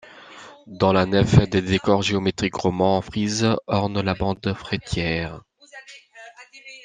Dans la nef, des décors géométriques romans en frise ornent la bande faîtière.